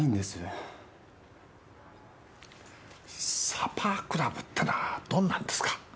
サパークラブってのはどんなんですか？